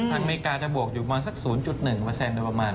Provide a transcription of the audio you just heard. ทางอเมริกาจะบวกอยู่บางกับ๐๑เบอร์ประมาณ